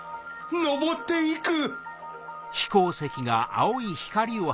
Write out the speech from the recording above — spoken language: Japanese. のぼって行く！